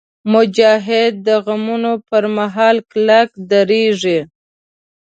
مجاهد د غمونو پر مهال کلک درېږي.